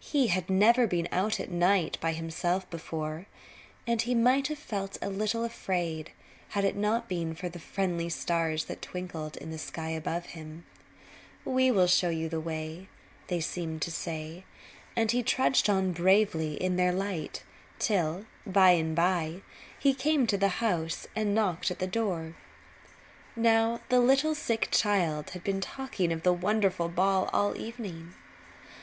He had never been out at night by himself before, and he might have felt a little afraid had it not been for the friendly stars that twinkled in the sky above him. "We will show you the way," they seemed to say; and he trudged on bravely in their light, till, by and by, he came to the house and knocked at the door. [Illustration: SHE TOOK THE LITTLE PRINCE IN HER ARMS AND KISSED HIM.] Now the little sick child had been talking of the wonderful ball all the evening.